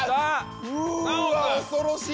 うわ恐ろしい。